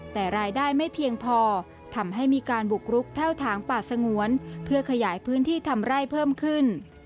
แต่รายได้ไม่เพียงพอทำให้มีการบุกรุกแพ่วถางป่าสงวนเพื่อขยายพื้นที่ทำไร่เพิ่มขึ้น